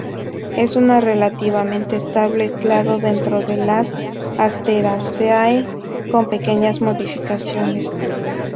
Es una relativamente estable clado dentro de las Asteraceae, con pequeñas modificaciones.